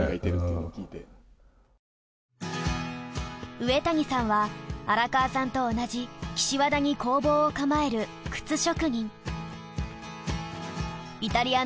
上谷さんは荒川さんと同じ岸和田に工房を構える靴職人。